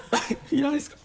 いらないですか？